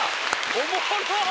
おもろっ！